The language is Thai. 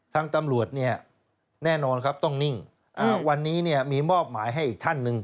ทางตำรวจเนี่ยแน่นอนครับต้องนิ่งวันนี้เนี่ยมีมอบหมายให้อีกท่านหนึ่ง